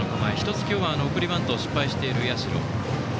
１つ、今日は送りバントを失敗している社。